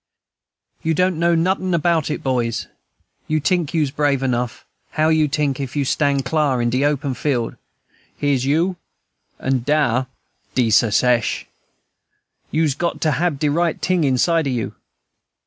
"You don't know notin' about it, boys. You tink you's brave enough; how you tink, if you stan' clar in de open field, here you, and dar de Secesh? You's got to hab de right ting inside o' you.